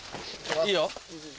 いいよ。